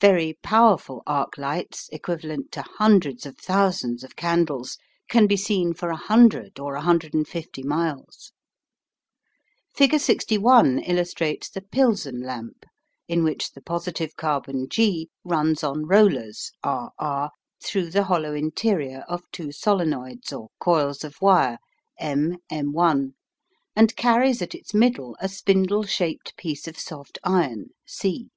Very powerful arc lights, equivalent to hundreds of thousands of candles, can be seen for 100 or 150 miles. Figure 61 illustrates the Pilsen lamp, in which the positive Carbon G runs on rollers rr through the hollow interior of two solenoids or coils of wire MM' and carries at its middle a spindle shaped piece of soft iron C.